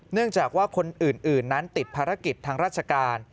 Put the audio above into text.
เนื่องจากว่าคนอื่นนั้นติดภารกิจทางราชการ